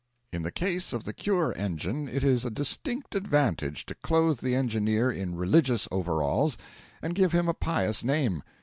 In the case of the cure engine it is a distinct advantage to clothe the engineer in religious overalls and give him a pious name.